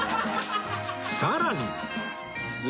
さらに